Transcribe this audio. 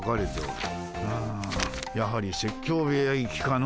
うんやはり説教部屋行きかの。